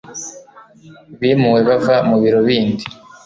Bimuwe bava mu biro bindi.